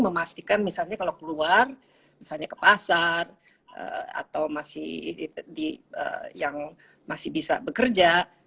memastikan misalnya kalau keluar misalnya ke pasar atau masih yang masih bisa bekerja